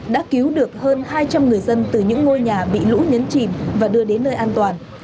đã cứu được hơn hai trăm linh người dân từ những ngôi nhà bị lũ nhấn chìm và đưa đến nơi an toàn